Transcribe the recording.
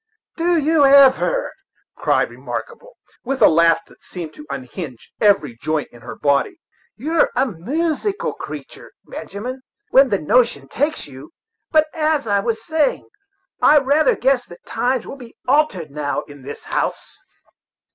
"Did you ever!" cried Remarkable, with a laugh that seemed to unhinge every joint in her body. "You're a moosical creature, Benjamin, when the notion takes you. But, as I was saying, I rather guess that times will be altered now in this house."